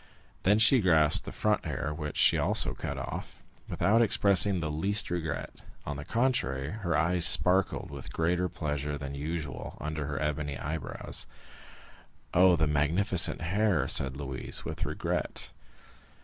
Then she grasped the front hair, which she also cut off, without expressing the least regret; on the contrary, her eyes sparkled with greater pleasure than usual under her ebony eyebrows. 50039m "Oh, the magnificent hair!" said Louise, with regret.